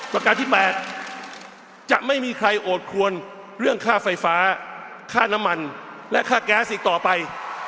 ประการที่๘จะไม่มีใครโอดควรเรื่องค่าไฟฟ้าค่าน้ำมันและค่าแก๊สอีกต่อไป